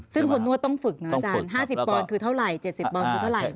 ซึ่งคนนวดต้องฝึกนะอาจารย์๕๐ปอนด์คือเท่าไหร่๗๐ปอนดคือเท่าไหร่